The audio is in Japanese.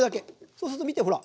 そうすると見てほら。